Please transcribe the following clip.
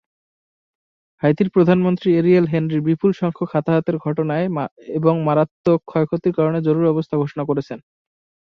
হাইতির প্রধানমন্ত্রী Ariel Henry বিপুল সংখ্যক হতাহতের ঘটনায় এবং মারাত্মক ক্ষয়ক্ষতির কারণে জরুরী অবস্থা ঘোষণা করেছেন।